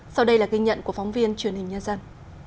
sau đây là ghi nhận của phóng viên truyền hình nhân dân